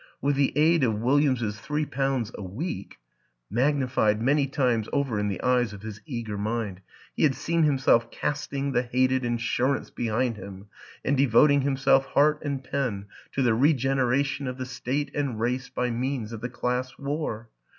With the aid of William's three pounds a week magnified many times over in the eyes of his eager mind he had seen himself casting the hated insurance behind him and de voting himself heart and pen to the regeneration of the State and Race by means of the Class War.